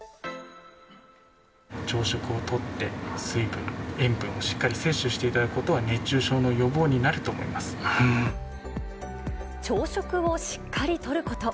朝食をとって、水分、塩分をしっかり摂取していただくことは熱中症の予防になると思い朝食をしっかりとること。